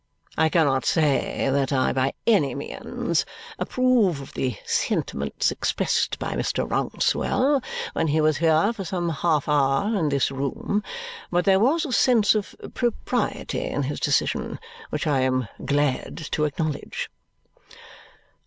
I cannot say that I by any means approve of the sentiments expressed by Mr. Rouncewell when he was here for some half hour in this room, but there was a sense of propriety in his decision which I am glad to acknowledge."